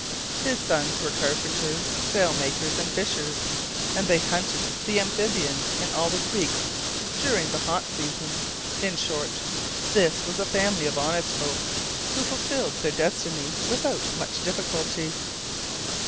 His sons were carpenters, sailmakers, and fishers, and they hunted the amphibians in all the creeks during the hot season. In short, this was a family of honest folk who fulfilled their destiny without much difficulty.